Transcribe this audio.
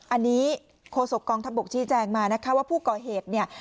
อันนี้โคศกองทัพบกชี้แจงมานะคะว่าผู้ก่อเหตุเนี่ย